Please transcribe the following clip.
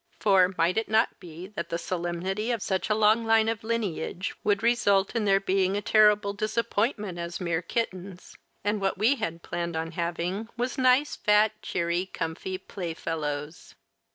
For, might it not be that the solemnity of such a long line of lineage would result in their being a terrible disappointment as mere kittens, and what we had planned on having was nice, fat, cheery, comfy playfellows.